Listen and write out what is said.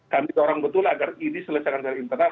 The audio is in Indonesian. kami dorong betul agar ini selesaikan secara internal